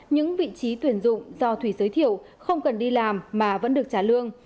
những vị trí tuyển dụng do thủy giới thiệu không cần đi làm mà vẫn được trả lương